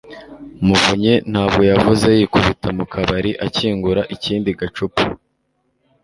Muvunyi ntabwo yavuze, yikubita mu kabari akingura ikindi gacupa